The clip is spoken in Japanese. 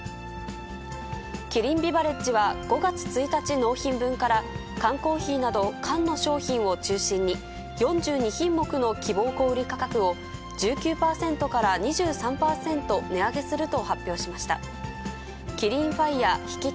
キリンビバレッジは、５月１日納品分から缶コーヒーなど缶の商品を中心に、４２品目の希望小売り価格を、１９％から２３％値上げすると発表しました。